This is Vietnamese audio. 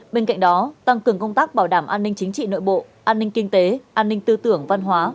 bên cạnh đó tăng cường công tác bảo đảm an ninh chính trị nội bộ an ninh kinh tế an ninh tư tưởng văn hóa